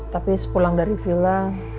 tapi sepulang dari vila